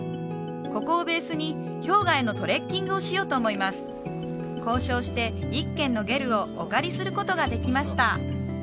ここをベースに氷河へのトレッキングをしようと思います交渉して１軒のゲルをお借りすることができました